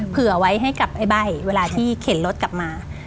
เผื่อไว้ให้กับไอ้ใบ้เวลาที่เข็นรถกลับมา